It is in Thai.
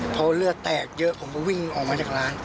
พอเลือดแตกเยอะผมก็วิ่งออกมาจากร้าน